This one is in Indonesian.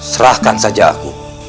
serahkan saja aku